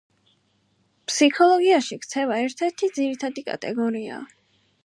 ფსიქოლოგიაში ქცევა ერთ-ერთი ძირითადი კატეგორიაა.